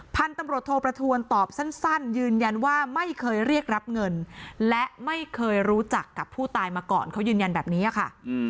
พันธุ์ตำรวจโทประทวนตอบสั้นยืนยันว่าไม่เคยเรียกรับเงินและไม่เคยรู้จักกับผู้ตายมาก่อนเขายืนยันแบบนี้ค่ะ